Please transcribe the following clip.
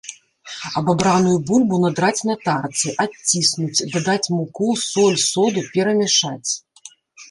Абабраную бульбу надраць на тарцы, адціснуць, дадаць муку, соль, соду, перамяшаць.